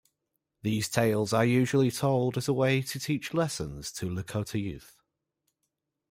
These tales are usually told as a way to teach lessons to Lakota youth.